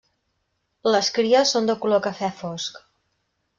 Les cries són de color cafè fosc.